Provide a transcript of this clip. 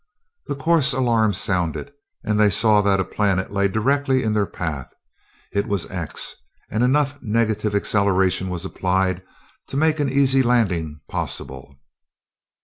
The course alarm sounded, and they saw that a planet lay directly in their path. It was "X," and enough negative acceleration was applied to make an easy landing possible.